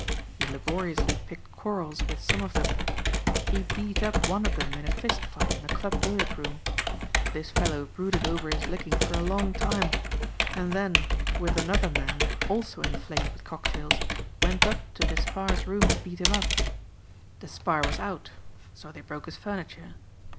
He laboriously picked quarrels with some of them. He beat up one of them in a fist fight in the club billiard room. This fellow brooded over his licking for a long time and then with another man, also inflamed with cocktails, went up to Despard's room to beat him up. Despard was out, so they broke his furniture.